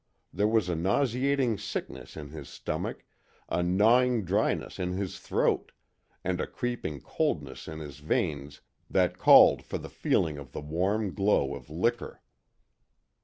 There was a nauseating sickness in his stomach, a gnawing dryness in his throat, and a creeping coldness in his veins that called for the feel of the warm glow of liquor.